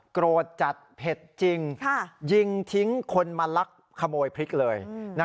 โกรธจัดเผ็ดจริงยิงทิ้งคนมาลักขโมยพริกเลย